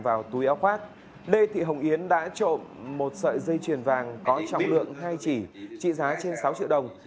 vào túi áo khoác lê thị hồng yến đã trộm một sợi dây chuyền vàng có trọng lượng hai chỉ trị giá trên sáu triệu đồng